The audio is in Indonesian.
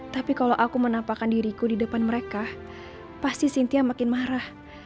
tapi kalau aku menampakkan diriku di depan mereka pasti cynthia makin marah